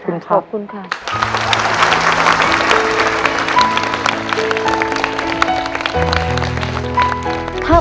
คุณฝนจากชายบรรยาย